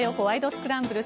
スクランブル」。